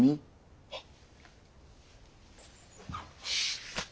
はっ。